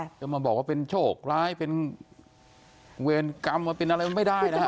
จะมาบอกว่าเป็นโชคร้ายเป็นเวรกรรมมาเป็นอะไรไม่ได้นะฮะ